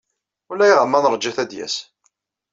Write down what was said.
Ulayɣer ma neṛja-t ad d-yas.